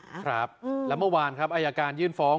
ครับแล้วเมื่อวานอินโฟง